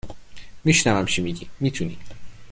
میشونم چی میگی. میتونی